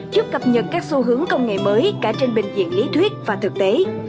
giúp cập nhật các xu hướng công nghệ mới cả trên bình diện lý thuyết và thực tế